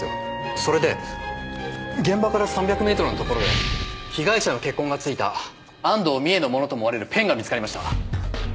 それで現場から３００メートルの所で被害者の血痕が付いた安藤美絵のものと思われるペンが見つかりました。